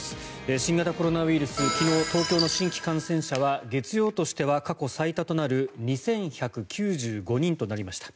新型コロナウイルス昨日、東京の新規感染者は月曜日としては過去最多となる２１９５人となりました。